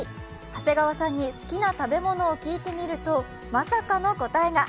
長谷川さんに好きな食べ物を聞いてみると、まさかの答えが。